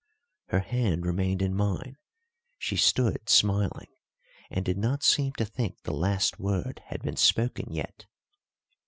Her hand remained in mine; she stood smiling, and did not seem to think the last word had been spoken yet.